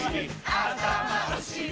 あたまおしり